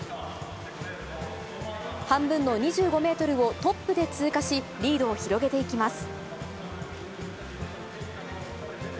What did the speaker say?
半分の２５メートルをトップで通過し、リードを広げていきます。